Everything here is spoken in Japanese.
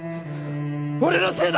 俺のせいだ！